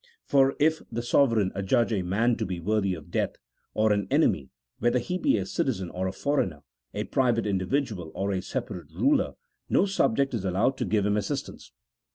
For if the sovereign adjudge a man to be worthy of death or an enemy, whether he be a citizen or a foreigner, a private individual or a separate ruler, no subject is allowed to give him assistance.